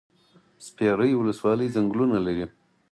سپیرې ولسوالۍ ځنګلونه لري؟